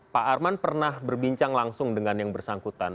pak arman pernah berbincang langsung dengan yang bersangkutan